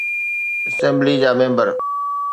Assembly جا member.